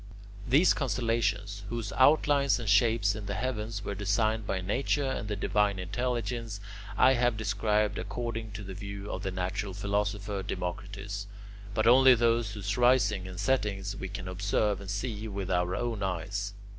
These constellations, whose outlines and shapes in the heavens were designed by Nature and the divine intelligence, I have described according to the view of the natural philosopher Democritus, but only those whose risings and settings we can observe and see with our own eyes.